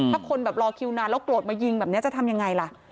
ถ้าคนแบบรอคิวนานแล้วโกรธมายิงแบบนี้จะทำยังไงล่ะ